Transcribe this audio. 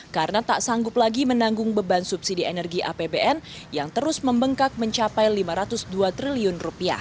karena tak sanggup lagi menanggung beban subsidi energi apbn yang terus membengkak mencapai rp lima ratus dua triliun